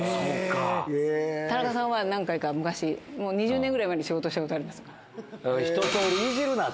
田中さんは何回か、昔、もう２０年ぐらい前に仕事したことあるんです。